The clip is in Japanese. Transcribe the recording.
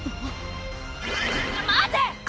待て！